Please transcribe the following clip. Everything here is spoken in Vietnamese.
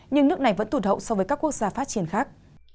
nhưng nước này vẫn tụt hậu so với các quốc gia phát triển khác